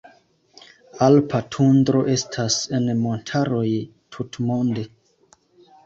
Alpa tundro estas en montaroj tutmonde.